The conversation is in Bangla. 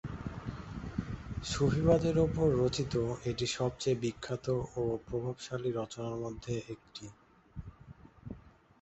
সুফিবাদের উপর রচিত এটি সবচেয়ে বিখ্যাত ও প্রভাবশালী রচনার মধ্যে একটি।